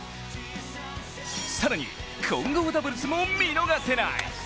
更に混合ダブルスも見逃せない。